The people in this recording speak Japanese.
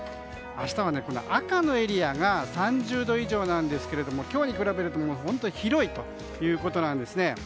明日は赤のエリアが３０度以上なんですけども今日に比べると本当に広いということです。